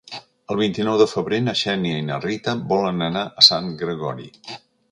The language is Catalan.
El vint-i-nou de febrer na Xènia i na Rita volen anar a Sant Gregori.